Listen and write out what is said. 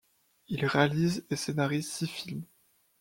Il réalise et scénarise six films.